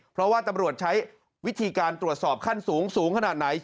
เพราะว่าตำรวจใช้วิธีการตรวจสอบขั้นสูงสูงขนาดไหน